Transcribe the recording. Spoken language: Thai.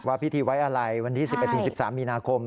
ว่าพิธีไว้อะไรวันที่๑๐อาทิตย์๑๓มีนาคม